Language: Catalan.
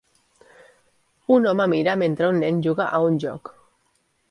Un home mira mentre un nen juga a un joc.